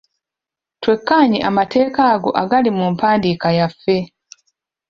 Twekkaanye amateeka ago agali mu mpandiika yaffe.